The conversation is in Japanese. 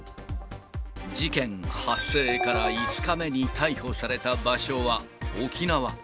事件発生から５日目に逮捕された場所は沖縄。